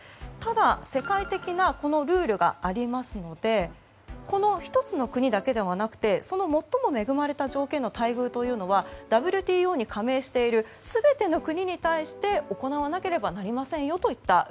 ただ、世界的なこのルールがありますのでこの１つの国だけではなくて最も恵まれた条件の待遇というのはＷＴＯに加盟している全ての国に対して行わなければなりませんよといった